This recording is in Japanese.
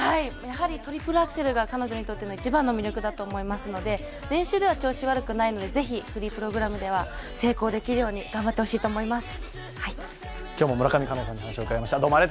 やはりトリプルアクセルが彼女にとっての一番の魅力だと思いますので練習では調子悪くないのでぜひフリープログラムでは成功できるように頑張ってほしいと思います。